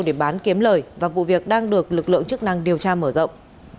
để bán kiếm lời và vụ việc đang được lực lượng chức năng điều tra mở rộng